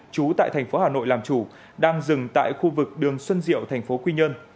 trú tại thành phố hà nội làm chủ đang dừng tại khu vực đường xuân diệu thành phố quy nhơn